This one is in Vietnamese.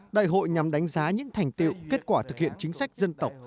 đại hội nhằm đánh giá những thành tiệu kết quả thực hiện chính sách dân tộc